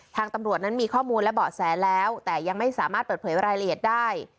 ตำรวจนั้นมีข้อมูลและเบาะแสแล้วแต่ยังไม่สามารถเปิดเผยรายละเอียดได้